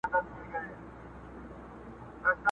آزارونه را پسې به وي د زړونو!.